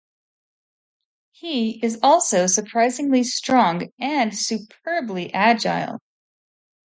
He is also surprisingly strong and superbly agile.